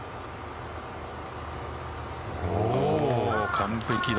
完璧だ。